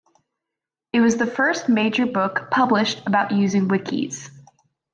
It was the first major book published about using wikis.